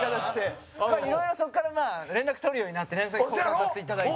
いろいろ、そこから連絡取るようになって連絡先、交換させていただいて。